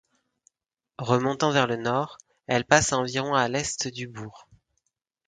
Remontant vers le nord, elle passe à environ à l'est du bourg.